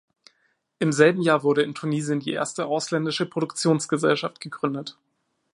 Im selben Jahr wurde in Tunesien die erste ausländische Produktionsgesellschaft gegründet.